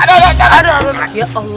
aduh aduh aduh